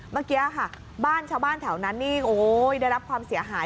เมื่อกี้ค่ะบ้านชาวบ้านแถวนั้นนี่โอ้ยได้รับความเสียหาย